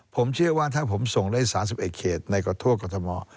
ผมเชื่อว่าถ้าผมส่งได้๓๑เคสในทั่วกฎธมอล์